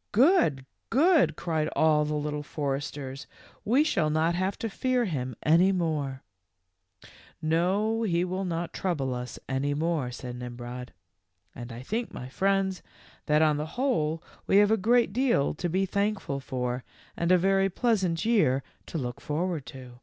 " Good, good," cried all the Little Foresters. w We shall not have to fear him any more." w No, he will not trouble us any more," said Nimrod ;" and I think, my friends, that on the whole we have a great deal to be thankful for and a very pleasant year to look forward to.